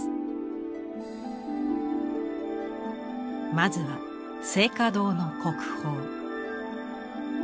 まずは静嘉堂の国宝。